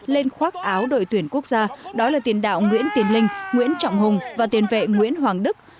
lên khoác áo đội tuyển quốc gia đó là tiền đạo nguyễn tiến linh nguyễn trọng hùng và tiền vệ nguyễn hoàng đức